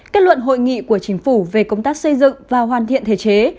kết luận hội nghị của chính phủ về công tác xây dựng và hoàn thiện thể chế